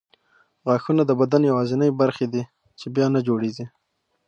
غاښونه د بدن یوازیني برخې دي چې بیا نه جوړېږي.